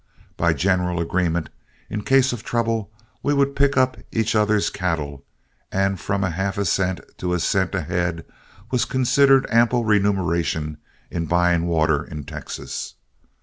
By general agreement, in case of trouble, we would pick up each other's cattle; and from half a cent to a cent a head was considered ample remuneration in buying water in Texas.